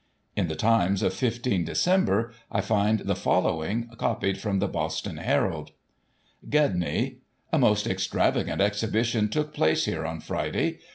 In the Times of 15 Dec, I find the following, copied from the Boston Herald: " Gedney. — A most extravagant exhibition took place here on Friday.